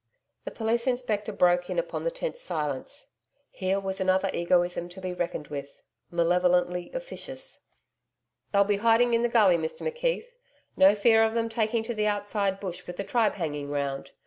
The police inspector broke in upon the tense silence. Here was another egoism to be reckoned with malevolently officious. 'They'll be hiding in the gully, Mr McKeith. No fear of them taking to the outside bush with the tribe hanging round.